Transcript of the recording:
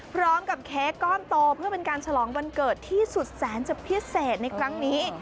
เค้กก้อนโตเพื่อเป็นการฉลองวันเกิดที่สุดแสนจะพิเศษในครั้งนี้